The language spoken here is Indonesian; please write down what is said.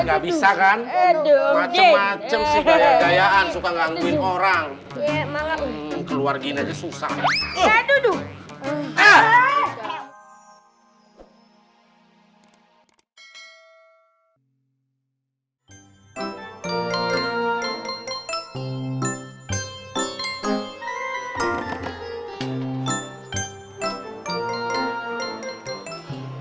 nggak bisa kan ada macam macam sih gaya gayaan suka ngangguin orang keluarginya susah duduk